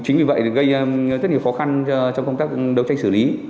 chính vì vậy gây rất nhiều khó khăn trong công tác đấu tranh xử lý